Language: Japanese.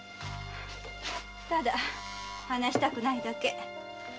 ただ話したくないだけ。